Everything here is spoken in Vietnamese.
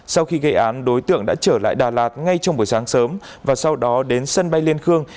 sau khi gây án đối tượng đã trở lại đà lạt ngay trong buổi sáng sớm và sau đó đến sân bay liên khương